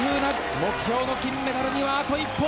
目標の金メダルにはあと一歩。